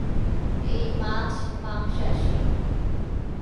এই মাছ মাংসাশী।